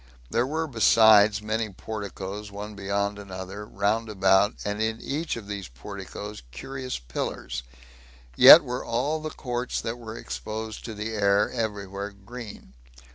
There were besides many porticoes, one beyond another, round about, and in each of those porticoes curious pillars; yet were all the courts that were exposed to the air every where green.